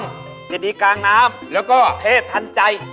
เวชดีกลางน้ำเทพทันใจ